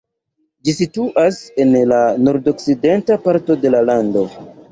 Ĝi situas en la nordokcidenta parto de la lando.